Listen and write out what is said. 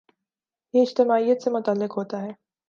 یہ اجتماعیت سے متعلق ہوتا ہے۔